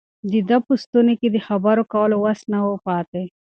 د ده په ستوني کې د خبرو کولو وس نه و پاتې.